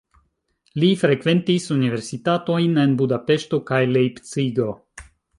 Li frekventis universitatojn en Budapeŝto kaj Lejpcigo.